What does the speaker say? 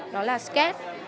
đó là sketch